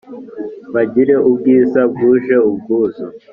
bagire ubwiza bwuje ubwuzu